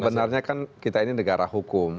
sebenarnya kan kita ini negara hukum